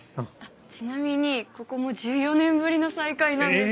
ちなみにここも１４年ぶりの再会なんです。